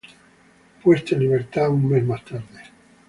Fue puesto en libertad un mes más tarde.